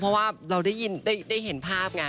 เพราะว่าเราได้เห็นภาพไง